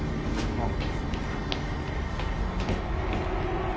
☎あっ。